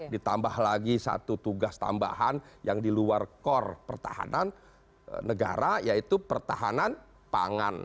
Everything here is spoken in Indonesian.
ditambah lagi satu tugas tambahan yang di luar core pertahanan negara yaitu pertahanan pangan